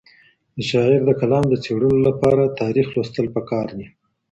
د شاعر د کلام د څېړلو لپاره تاریخ لوستل پکار دي.